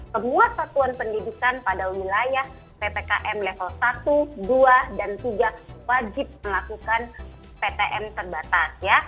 semua satuan pendidikan pada wilayah ppkm level satu dua dan tiga wajib melakukan ptm terbatas